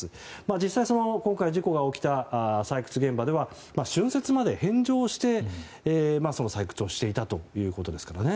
実際、今回事故が起きた採掘現場では春節まで返上して採掘していたということですからね。